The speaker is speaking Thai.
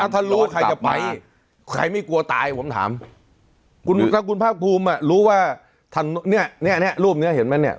ถ้ารู้ใครจะไปใครไม่กลัวตายผมถามคุณภาพภูมิอ่ะรู้ว่าเนี้ยเนี้ยเนี้ยรูปเนี้ยเห็นไหมเนี้ย